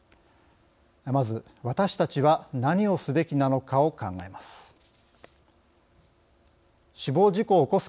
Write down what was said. まず、私たちは何をすべきなのかを考えます。